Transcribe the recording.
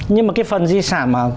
nhưng mà cái phần di sản mà